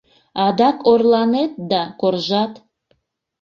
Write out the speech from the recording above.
Адак орланет да коржат.